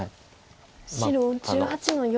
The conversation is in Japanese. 白１８の四。